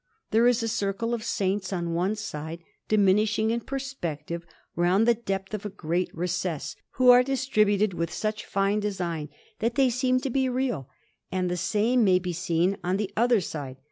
There is a circle of saints on one side diminishing in perspective, round the depth of a great recess, who are distributed with such fine design that they seem to be real; and the same may be seen on the other side.